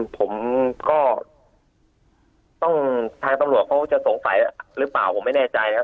ผมก็ต้องทางตำรวจเขาจะสงสัยหรือเปล่าผมไม่แน่ใจนะครับ